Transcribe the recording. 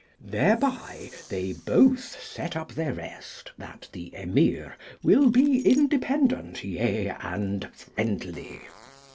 Thereby they both set up their rest that the Emir will be independent, yea, and friendly.